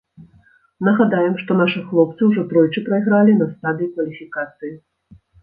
Нагадаем, што нашы хлопцы ўжо тройчы прайгралі на стадыі кваліфікацыі.